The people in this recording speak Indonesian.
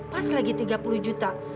pas lagi tiga puluh juta